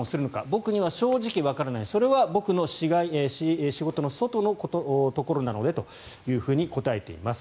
僕には正直わからないそれは僕の仕事の外のところなのでと答えています。